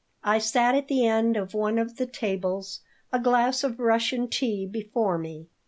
I sat at the end of one of the tables, a glass of Russian tea before me.